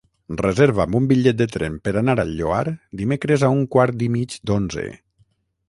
Reserva'm un bitllet de tren per anar al Lloar dimecres a un quart i mig d'onze.